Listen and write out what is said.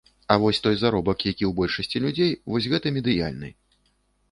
А вось той заробак, які ў большасці людзей, вось гэта медыяльны.